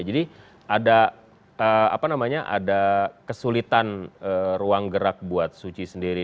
jadi ada kesulitan ruang gerak buat suci sendiri